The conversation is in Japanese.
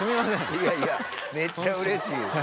いやいやめっちゃうれしい。